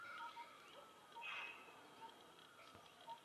Es una ciudad construida en Honor al emperador Romano Cesar Augusto.